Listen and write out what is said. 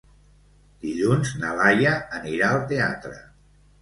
Dilluns na Laia anirà al teatre.